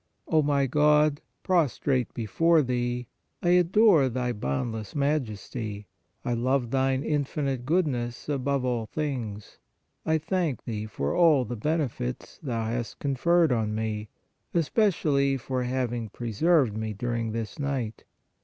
O my God, prostrate before Thee, I adore Thy boundless Majesty; I love Thine infinite Goodness above all things ; I thank Thee for all the benefits Thou hast conferred on me, espe cially for having preserved me during this night.